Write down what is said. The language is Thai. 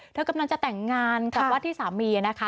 เธอกำลังจะแต่งงานกับว่าที่สามีนะคะ